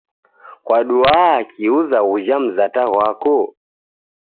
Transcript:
Kwadua kiuza ghuja mzata ghwako?